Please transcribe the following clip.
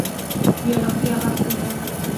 Biología vascular.